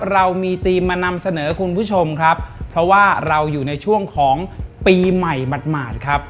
เรามีธีมมานำเสนอคุณผู้ชมครับเพราะว่าเราอยู่ในช่วงของปีใหม่หมาดครับ